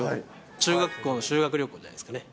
中学校の修学旅行じゃないですかね。